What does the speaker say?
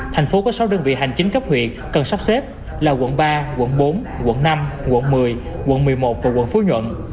thành phố có sáu đơn vị hành chính cấp huyện cần sắp xếp là quận ba quận bốn quận năm quận một mươi quận một mươi một và quận phú nhuận